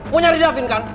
mau nyari davin kan